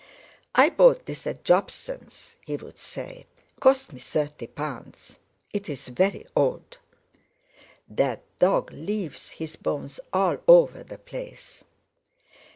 "I bought this at Jobson's," he would say; "cost me thirty pounds. It's very old. That dog leaves his bones all over the place.